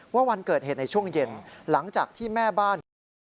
ว่าวันเกิดเหตุในช่วงเย็นหลังจากที่แม่บ้าน